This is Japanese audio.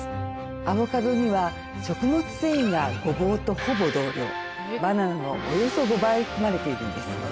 アボカドには食物繊維がゴボウとほぼ同量バナナのおよそ５倍含まれているんです。